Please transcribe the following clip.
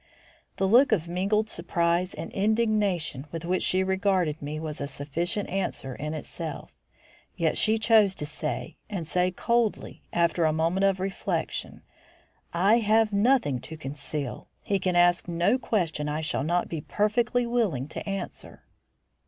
The look of mingled surprise and indignation with which she regarded me was a sufficient answer in itself. Yet she chose to say, and say coldly, after a moment of reflection: "I have nothing to conceal. He can ask no question I shall not be perfectly willing to answer."